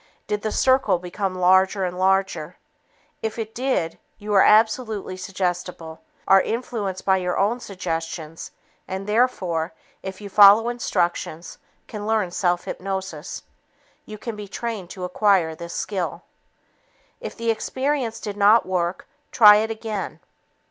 Did the circle become larger and larger? If it did, you are absolutely suggestible, are influenced by your own suggestions and, therefore, if you follow instructions, can learn self hypnosis. You can be trained to acquire this skill. If the experience did not work, try it again.